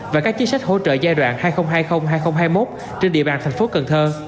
và các chính sách hỗ trợ giai đoạn hai nghìn hai mươi hai nghìn hai mươi một trên địa bàn tp cn